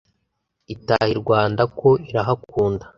itaha i rwanda ko irahakunda